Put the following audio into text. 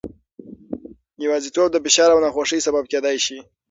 یوازیتوب د فشار او ناخوښۍ سبب کېدای شي.